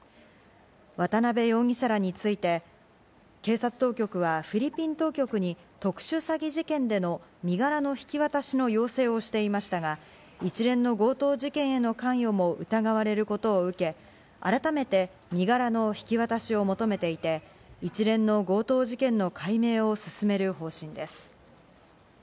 渡辺容疑者らについて警察当局はフィリピン当局に特殊詐欺事件での身柄の引き渡しの要請をしていましたが、一連の強盗事件への関与も疑われることを受け、改めて身柄の引き渡しを求めていて、一連の強盗事件の解明を進める方針です。